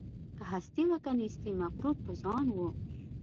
که هستي وه که نیستي مغرور په ځان وو